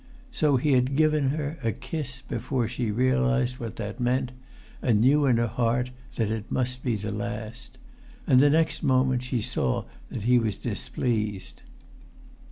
So he had given her a kiss before she realised what that meant—and knew in her heart that it must be the last. And the next moment she saw that he was displeased.